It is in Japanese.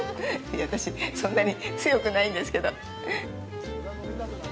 いや、私、そんなに強くないんですけど。